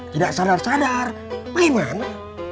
tidak sadar sadar bagaimana